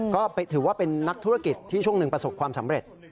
ก็ถือว่าเป็นนักธุรกิจที่ช่วงหนึ่งประสบความสำเร็จ